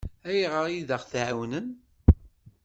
Ayɣer i d-aɣ-tɛawnem?